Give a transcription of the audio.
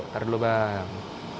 taruh dulu bang